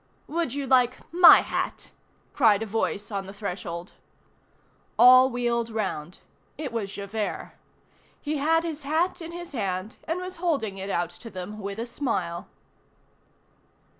—" "Would you like my hat?" cried a voice on the threshold. All wheeled round. It was Javert. He had his hat in his hand, and was holding it out to them with a smile.